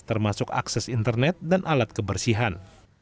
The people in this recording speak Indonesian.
termasuk akses internet dan alat kebersihan